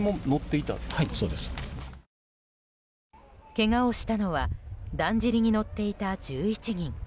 けがをしたのはだんじりに乗っていた１１人。